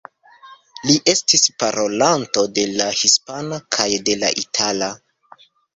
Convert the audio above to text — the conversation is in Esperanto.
Li estis parolanto de la hispana kaj de la itala.